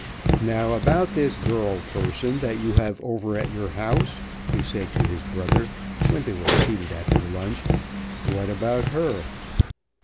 "Now, about this girl person that you have over at your house," he said to his brother, when they were seated at their lunch, "what about her?"